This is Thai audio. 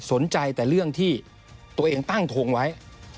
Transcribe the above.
สนใจแต่เรื่องที่ตัวเองตั้งทงไว้